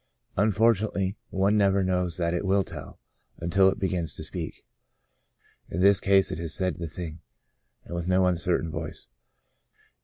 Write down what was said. Un fortunately one never knows what it will tell, until it begins to speak. In this case it has said the thing, and with no uncertain voice.